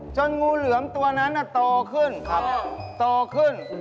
จนงูเหลือมตัวนั้นน่ะโตขึ้นครับโตขึ้น